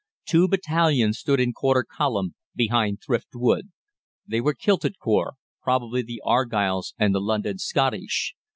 Two battalions stood in quarter column behind Thrift Wood. They were kilted corps, probably the Argylls and the London Scottish.